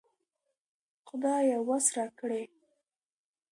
خدايه وس راکړې